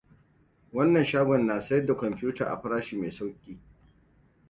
Wannan shagon na sayar da kwamfuta a farashi mai sauƙi.